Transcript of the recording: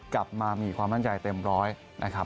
กลับมามีความมั่นใจเต็มร้อยนะครับ